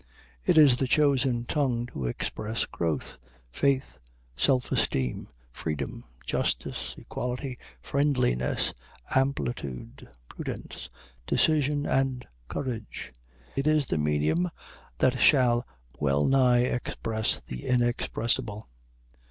It is the chosen tongue to express growth, faith, self esteem, freedom, justice, equality, friendliness, amplitude, prudence, decision, and courage. It is the medium that shall wellnigh express the inexpressible.